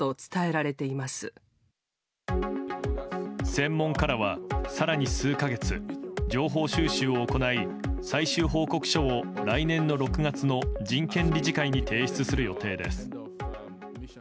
専門家らは更に数か月情報収集を行い最終報告書を来年の６月の人権理事会に提出する予定です。